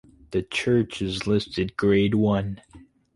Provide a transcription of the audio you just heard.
The church is listed Grade One.